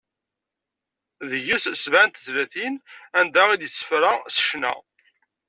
Deg-s sebɛa n tezlatin anda i d-yessefra s ccna.